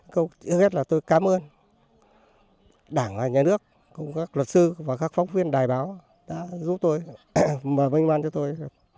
câu thứ nhất là tôi cảm ơn đảng nhà nước các luật sư và các phóng viên đài báo đã giúp tôi mời vinh văn cho tôi